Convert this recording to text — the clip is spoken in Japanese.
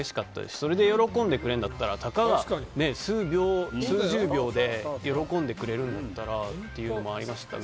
それで喜んでくれるならたかが数十秒で喜んでくれるんだったらというのもありましたね。